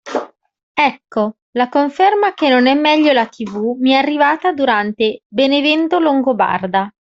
Ecco, la conferma che non è meglio la tv mi è arrivata durante Benevento Longobarda.